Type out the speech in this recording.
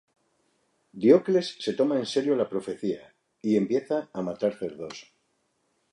Diocles se toma en serio la profecía, y empieza a matar cerdos.